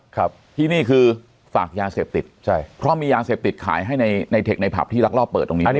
ครับที่นี่คือฝากยาเสพติดใช่เพราะมียาเสพติดขายให้ในในเทคในผับที่รักรอบเปิดตรงนี้